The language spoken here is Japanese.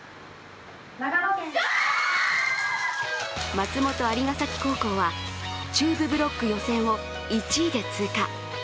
松本蟻ヶ崎高校は中部ブロック予選を１位で通過。